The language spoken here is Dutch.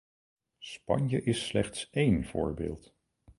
Spanje is slechts één voorbeeld.